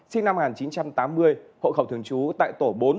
sinh năm một nghìn chín trăm tám mươi hộ khẩu thương chú tại tổ bốn